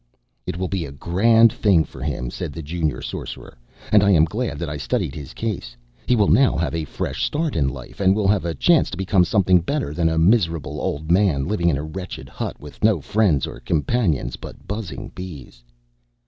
"It will be a grand thing for him," said the Junior Sorcerer, "and I am glad that I studied his case. He will now have a fresh start in life, and will have a chance to become something better than a miserable old man living in a wretched hut with no friends or companions but buzzing bees."